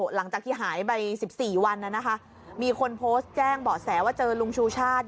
หลังจากที่หายไปสิบสี่วันแล้วนะคะมีคนโพสต์แจ้งบอกแสว่าเจอลุงชูชาติ